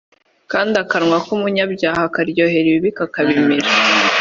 kandi akanwa k’umunyabyaha karyohera ibibi kakabimira